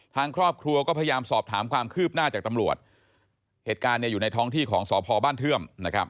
ทางครอบครัวก็พยายามสอบถามความคืบหน้าจากตำรวจเหตุการณ์เนี่ยอยู่ในท้องที่ของสพบ้านเทื่อมนะครับ